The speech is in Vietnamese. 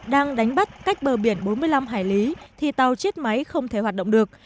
đang đánh bắt cách bờ biển bốn mươi năm hải lý thì tàu chết máy không thể hoạt động được